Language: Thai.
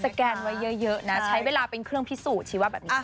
แกนไว้เยอะนะใช้เวลาเป็นเครื่องพิสูจน์ชีวะแบบนี้